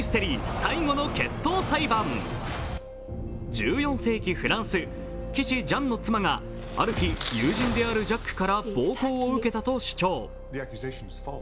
「最後の決闘裁判」１４世紀フランス、騎士・ジャンの妻がある日、友人であるジャックから暴行を受けたと主張。